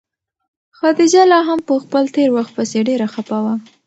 خدیجه لا هم په خپل تېر وخت پسې ډېره خفه وه.